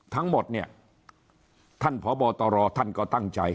ทั้งหมดเนี่ยท่านพบตรท่านก็ตั้งใจ